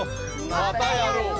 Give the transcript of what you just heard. またやろう！